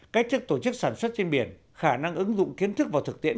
cách thức tổ chức sản xuất trên biển khả năng ứng dụng kiến thức và thực tiễn